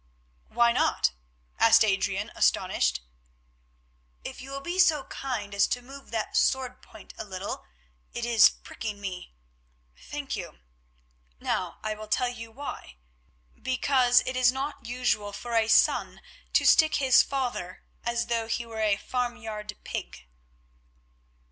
"Why not?" asked Adrian, astonished. "If you will be so kind as to move that sword point a little—it is pricking me—thank you. Now I will tell you why. Because it is not usual for a son to stick his father as though he were a farmyard pig."